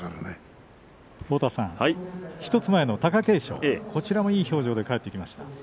１つ前の貴景勝、こちらもいい表情で戻ってきました。